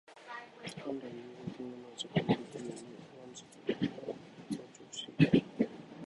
元来人間というものは自己の力量に慢じてみんな増長している